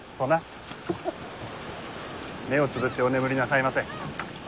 目をつぶってお眠りなさいませ。